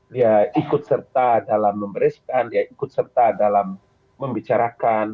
dia ikut serta dalam membereskan dia ikut serta dalam membicarakan